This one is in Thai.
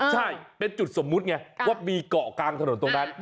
ใช่เป็นจุดสมมุติไงว่ามีเกาะกลางถนนตรงนั้น